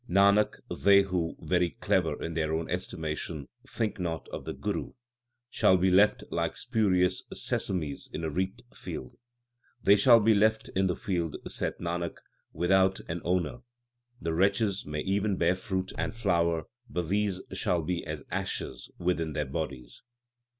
Nanak, they who, very clever in their own estimation, think not of the Guru, Shall be left like spurious sesames in a reaped field They shall be left in the field, saith Nanak, without an owner. The wretches may even bear fruit and flower, but these shall be as ashes within their bodies.